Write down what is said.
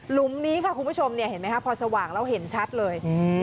หุมนี้ค่ะคุณผู้ชมเนี่ยเห็นไหมคะพอสว่างแล้วเห็นชัดเลย